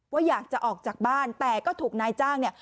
ว่าอยากจะออกจากบ้านแต่ก็ถูกนายจ้างเนี่ย